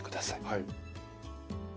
はい。